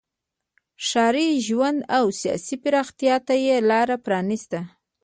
ښاري ژوند او سیاسي پراختیا ته یې لار پرانیسته.